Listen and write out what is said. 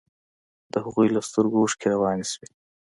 د هغوى له سترګو اوښكې روانې سوې.